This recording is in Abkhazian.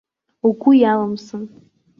Угәы иалымсын.